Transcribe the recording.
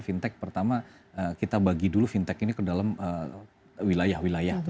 fintech pertama kita bagi dulu fintech ini ke dalam wilayah wilayah